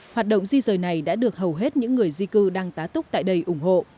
hoạt động di rời này đã được hầu hết những người di cư đang tá túc tại đây ủng hộ